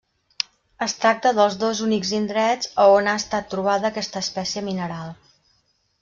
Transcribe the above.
Es tracta dels dos únics indrets a on ha estat trobada aquesta espècie mineral.